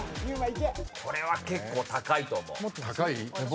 これは結構高いと思う。